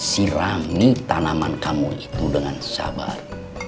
sirami tanaman kamu itu dengan sabar